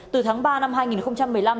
từ tháng ba năm hai nghìn một mươi hai